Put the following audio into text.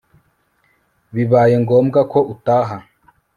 bibaye ngombwa ko utaha